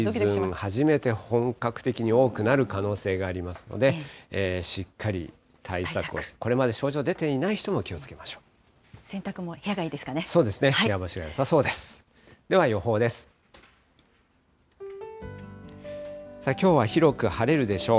初めて本格的に多くなる可能性がありますので、しっかり対策、これまで症状出ていない人も気をつけましょう。